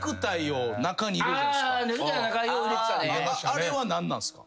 あれは何なんすか？